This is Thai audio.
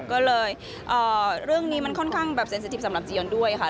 ก็เลยเรื่องนี้มันค่อนข้างสังเกตุสำหรับจียอนด้วยค่ะ